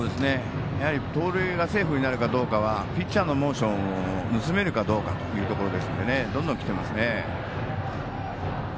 やはり、盗塁がセーフになるかどうかはピッチャーのモーションを盗めるかどうかというところですのでどんどん、きてますね。